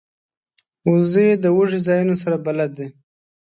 وزې د دوږی ځایونو سره بلد دي